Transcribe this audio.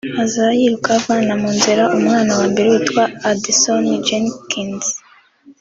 aza yiruka avana mu nzira umwana wa mbere witwa Adison Jenkins